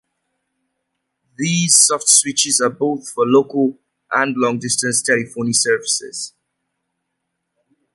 These softswitches are both for local and long distance telephony services.